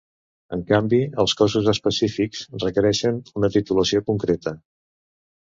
En canvi, els cossos específics requereixen una titulació concreta.